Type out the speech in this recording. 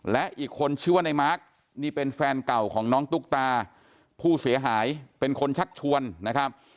และอีกคนชื่อว่าในมาร์คนี่เป็นแฟนเก่าของน้องตุ๊กตาผู้เสียหายเป็นคนชักชวนนะครับ